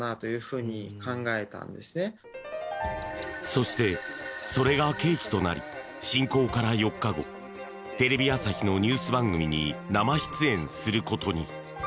そして、それが契機となり侵攻から４日後テレビ朝日のニュース番組に生出演することに。